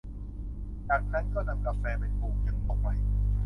แล้วจากนั้นก็นำกาแฟไปปลูกยังโลกใหม่